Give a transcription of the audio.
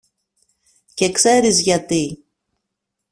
Και ξέρεις γιατί